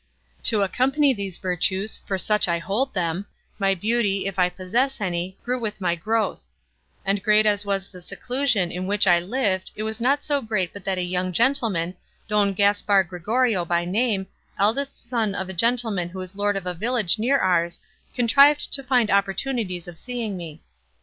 To accompany these virtues, for such I hold them, my beauty, if I possess any, grew with my growth; and great as was the seclusion in which I lived it was not so great but that a young gentleman, Don Gaspar Gregorio by name, eldest son of a gentleman who is lord of a village near ours, contrived to find opportunities of seeing me.